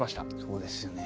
そうですよね。